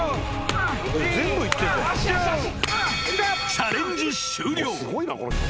［チャレンジ終了］